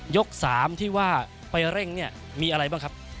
๓ที่ว่าไปเร่งเนี่ยมีอะไรบ้างครับ